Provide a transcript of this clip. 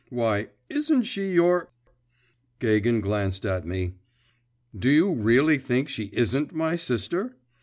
… 'Why, isn't she your ' Gagin glanced at me. 'Do you really think she isn't my sister?